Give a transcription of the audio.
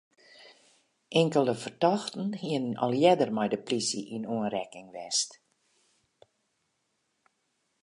Inkelde fertochten hiene al earder mei de plysje yn oanrekking west.